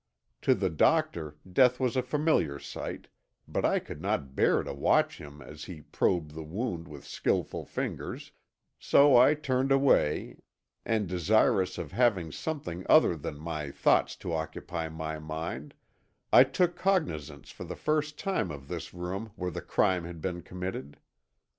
To the doctor death was a familiar sight, but I could not bear to watch him as he probed the wound with skillful fingers, so I turned away and desirous of having something other than my thoughts to occupy my mind, I took cognizance for the first time of this room where the crime had been committed.